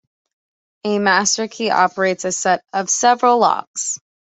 A master key operates a set of several locks.